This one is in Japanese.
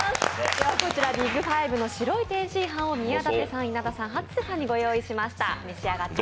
こちらビッグファイブの白い天津飯を宮舘さん、稲田さん、初瀬さんにご用意しました。